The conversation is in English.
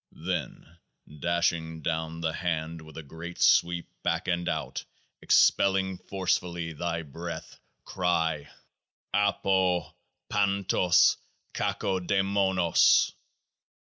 Then dashing down the hand with a great sweep back and out, expelling forcibly thy breath, cry : AIIO I1ANTOC KAKOAAI MONOC.